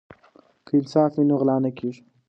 که انصاف وي نو غلا نه کیږي.